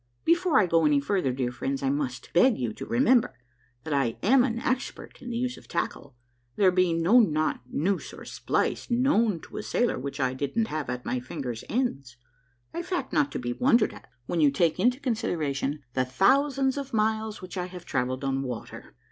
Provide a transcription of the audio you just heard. Before I go any farther, dear friends, I must beg you to remember that I am an expert in the use of tackle, there being no knot, noose, or splice known to a sailor which I didn't have at my fingers' ends, a fact not to be wondered at when you take into consideration the thousands of miles which I have travelled on water.